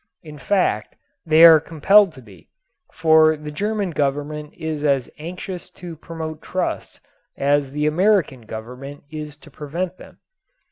In fact they are compelled to be, for the German Government is as anxious to promote trusts as the American Government is to prevent them.